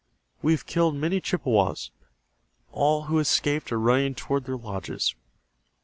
"We have killed many Chippewas. All who escaped are running toward their lodges.